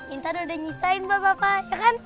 intan udah nyisain pak bapak ya kan